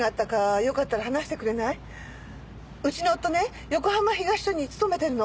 うちの夫ね横浜東署に勤めてるの。